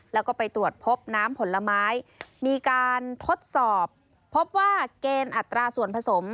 แล้วก็ไปตรวจพบน้ำผลไม้มีการทดสอบพบว่าเกณฑ์อัตราส่วนผสม